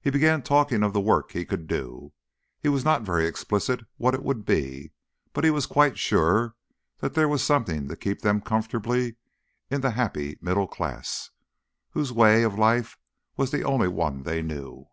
He began talking of the work he could do. He was not very explicit what it would be; but he was quite sure that there was something to keep them comfortably in the happy middle class, whose way of life was the only one they knew.